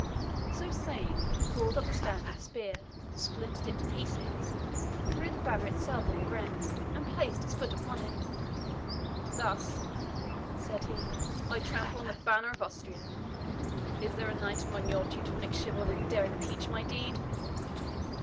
So saying, he pulled up the standard spear, splintered it to pieces, threw the banner itself on the ground, and placed his foot upon it. "Thus," said he, "I trample on the banner of Austria. Is there a knight among your Teutonic chivalry dare impeach my deed?"